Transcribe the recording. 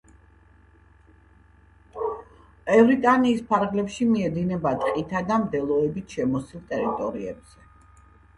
ევრიტანიის ფარგლებში მიედინება ტყითა და მდელოებით შემოსილ ტერიტორიებზე.